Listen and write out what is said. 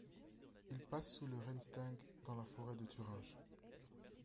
Il passe sous le Rennsteig dans la Forêt de Thuringe.